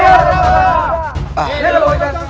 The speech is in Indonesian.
j extent makanan